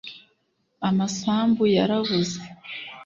amasambu yarabuze